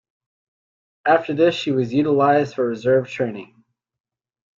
After this she was utilized for reserve training.